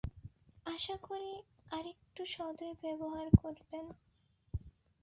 আশা করি, তার প্রতি একটু সদয় ব্যবহার করবেন।